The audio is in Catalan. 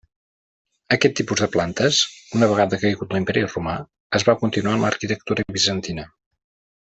Aquest tipus de plantes, una vegada caigut l'imperi romà, es va continuar en l'arquitectura bizantina.